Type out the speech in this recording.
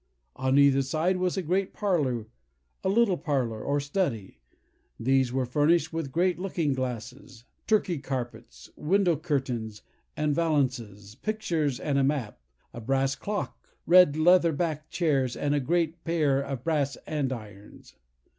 On either side was a great parlour, a little parlour, or study. These were furnished with great looking glasses, Turkey carpets, window curtains and valance, pictures, and a map, a brass clock, red leather back chairs, and a great pair of brass andirons.